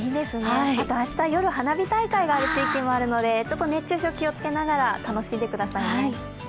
あと明日、夜、花火大会がある地域もあるので熱中症、気をつけながら楽しんでください。